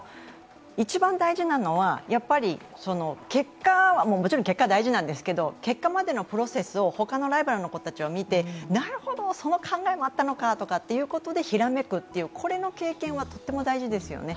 一番大事なのはもちろん結果は大事なんですけど結果までのプロセスを他のライバルの子たちを見てなるほど、その考えもあったのかとひらめく、これの経験はとても大事ですよね。